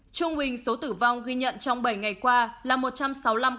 trung bình số tử vong ghi nhận trong bảy ngày qua là một trăm sáu mươi năm ca